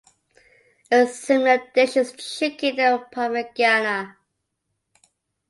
A similar dish is the chicken parmigiana.